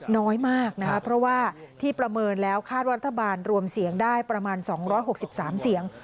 น้อยมากนะครับเพราะว่าที่ประเมินแล้วคาดว่ารัฐบาลรวมเสียงได้ประมาณ๒๖๓เสียง